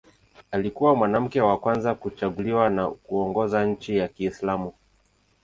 Alikuwa mwanamke wa kwanza kuchaguliwa na kuongoza nchi ya Kiislamu.